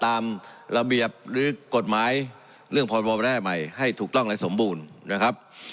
ตามระเบียบหรือกฎหมายเรื่องพรบแร่ใหม่ให้ถูกต้องและสมบูรณ์นะครับ